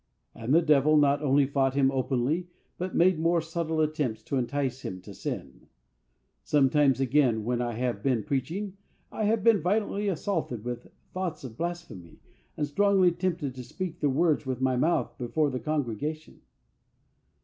And the Devil not only fought him openly, but made more subtle attempts to entice him to sin. "Sometimes, again, when I have been preaching, I have been violently assaulted with thoughts of blasphemy, and strongly tempted to speak the words with my mouth before the congregation."